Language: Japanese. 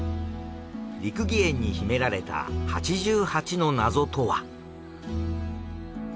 『六義園』に秘められた八十八の謎とは。